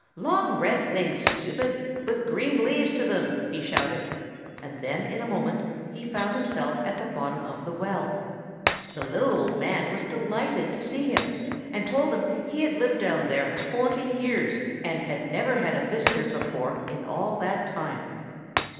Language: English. "Long red things, stupid! with green leaves to them!" he shouted; and then, in a moment, he found himself at the bottom of the well. The little old man was delighted to see him, and told him that he had lived down there forty years, and had never had a visitor before in all that time.